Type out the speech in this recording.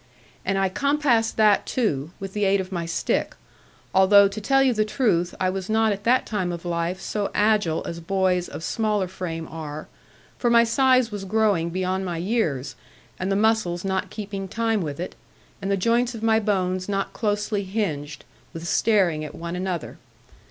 And I compassed that too, with the aid of my stick; although, to tell you the truth, I was not at that time of life so agile as boys of smaller frame are, for my size was growing beyond my years, and the muscles not keeping time with it, and the joints of my bones not closely hinged, with staring at one another.